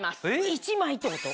１枚ってこと？